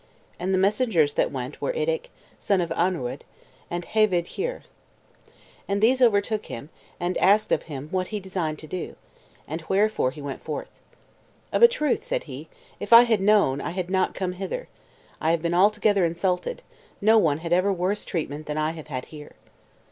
And the messengers that went were Iddic, the son of Anarawd, and Heveyd Hir. And these overtook him, and asked of him what he designed to do, and wherefore he went forth. "Of a truth," said he, "if I had known, I had not come hither. I have been altogether insulted; no one had ever worse treatment than I have had here."